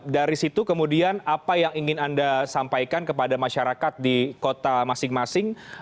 dari situ kemudian apa yang ingin anda sampaikan kepada masyarakat di kota masing masing